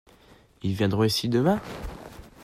Ils viendront ici demain ?